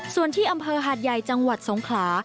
ส่วนที่อำเภอหาดใหญ่จังหวัดสงขลา